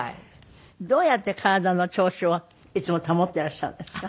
どうやって体の調子をいつも保っていらっしゃるんですか？